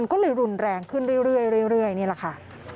ก็เลยรุนแรงขึ้นเรื่อยนี่แหละค่ะ